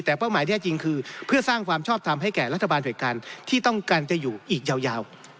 แต่เป้าหมายที่แท้จริงคือเพื่อสร้างความชอบทำให้แก่รัฐบาลโดยการที่ต้องการจะอยู่อีกยาว